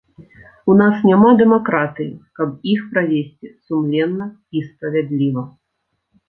У нас няма дэмакратыі, каб іх правесці сумленна і справядліва.